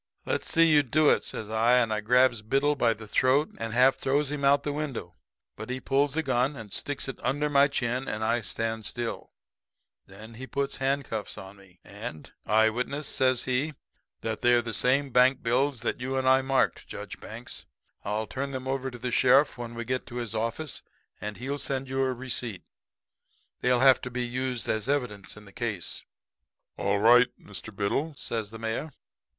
"'Let's see you do it,' says I, and I grabs Biddle by the throat and half throws him out the window, but he pulls a gun and sticks it under my chin, and I stand still. Then he puts handcuffs on me, and takes the money out of my pocket. [Illustration: "And I grabs Biddle by the throat."] "'I witness,' says he, 'that they're the same bank bills that you and I marked, Judge Banks. I'll turn them over to the sheriff when we get to his office, and he'll send you a receipt. They'll have to be used as evidence in the case.' "'All right, Mr. Biddle,' says the mayor.